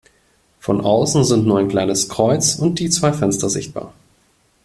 Von außen sind nur ein kleines Kreuz und die zwei Fenster sichtbar.